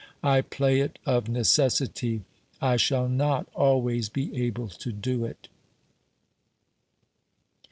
I play it of necessity ; I shall not always be able to do it.